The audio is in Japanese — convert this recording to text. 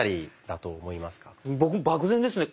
僕漠然ですね